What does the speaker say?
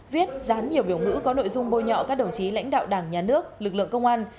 viết dán nhiều biểu ngữ có nội dung bôi nhọ các đồng chí lãnh đạo đảng nhà nước lực lượng công an